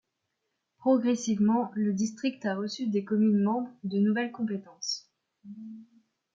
Progressivement, le district a reçu des communes membres de nouvelles compétences.